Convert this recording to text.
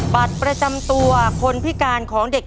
ผิดนะครับ